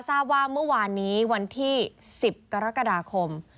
ทราบว่าเมื่อวานนี้วันที่๑๐กรกฎาคม